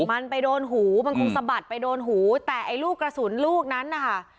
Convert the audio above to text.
มันไปโดนหูมันคงสะบัดไปโดนหูแต่ไอ้ลูกกระสุนลูกนั้นนะคะ